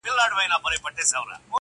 بگوت گيتا د هندوانو مذهبي کتاب.